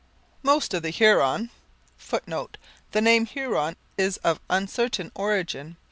Most of the Huron [Footnote: The name Huron is of uncertain origin.